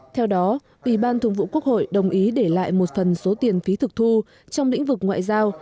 theo đó ủy ban thường vụ quốc hội đồng ý để lại một phần số tiền phí thực thu trong lĩnh vực ngoại giao